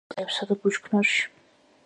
ბინადრობენ ტყეებსა და ბუჩქნარში.